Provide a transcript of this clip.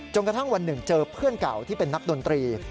กระทั่งวันหนึ่งเจอเพื่อนเก่าที่เป็นนักดนตรี